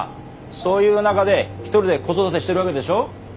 そういう中で一人で子育てしてるわけでしょ？